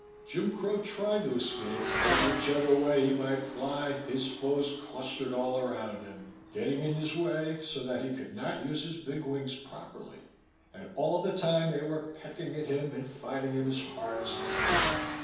Jim Crow tried to escape, but whichever way he might fly his foes clustered all around him, getting in his way so that he could not use his big wings properly. And all the time they were pecking at him and fighting him as hard as they could.